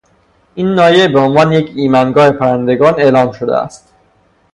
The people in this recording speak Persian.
این ناحیه بهعنوان یک ایمنگاه پرندگان اعلام شده است.